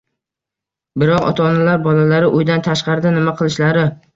Biroq ota-onalar bolalari uydan tashqarida nima qilishlari